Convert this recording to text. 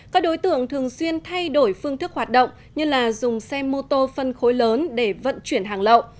tình trạng thường xuyên thay đổi phương thức hoạt động như là dùng xe mô tô phân khối lớn để vận chuyển hàng lậu